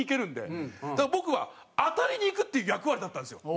だから僕は当たりにいくっていう役割だったんですよ。